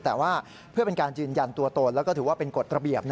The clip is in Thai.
แต่ว่าเพื่อเป็นการยืนยันตัวตนแล้วก็ถือว่าเป็นกฎระเบียบ